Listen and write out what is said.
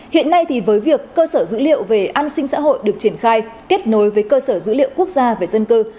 hiện nay thì với việc cơ sở dữ liệu về an sinh xã hội được triển khai kết nối với cơ sở dữ liệu quốc gia về dân cư